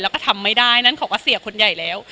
แล้วก็ทำไม่ได้นั้นเขาก็เสียคนใหญ่แล้ว